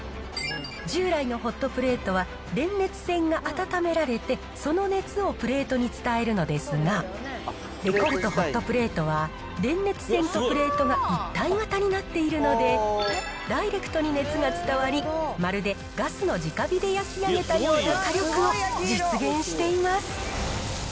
従来のホットプレートは、電熱線が温められて、その熱をプレートに伝えるのですが、レコルト・ホットプレートは、電熱線とプレートが一体型になっているので、ダイレクトに熱が伝わり、まるでガスの直火で焼き上げたような火力を実現しています。